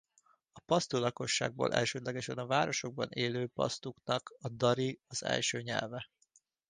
A pastu lakosságból elsődlegesen a városokban élő pastuknak a dari az első nyelve.